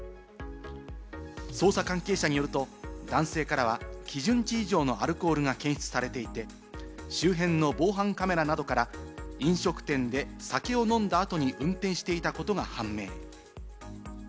捜査関係者によると男性からは、基準値以上のアルコールが検出されていて周辺の防犯カメラなどから飲食店で酒を飲んだ後に運転していたことが判明。